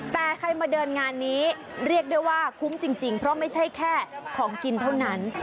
แต่ใครมาเดินงานนี้เรียกได้ว่าคุ้มจริงเพราะไม่ใช่แค่ของกินเท่านั้น